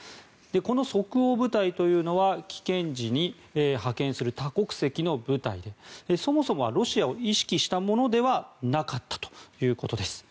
この即応部隊というのは危険時に派遣する多国籍の部隊でそもそもはロシアを意識したものではなかったということです。